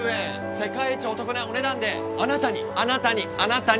世界一お得なお値段であなたにあなたにあなたに。